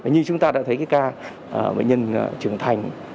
như chúng ta đã thấy cái ca bệnh nhân trưởng thành